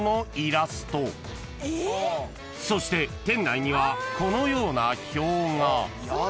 ［そして店内にはこのような表が］